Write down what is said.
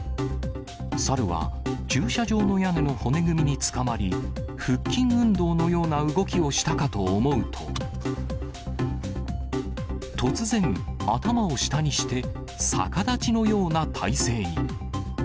サルは駐車場の屋根の骨組みにつかまり、腹筋運動のような動きをしたかと思うと、突然、頭を下にして、逆立ちのような体勢に。